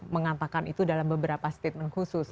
mengatakan itu dalam beberapa statement khusus